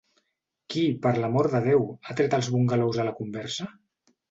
Qui, per l'amor de Déu, ha tret els bungalous a la conversa?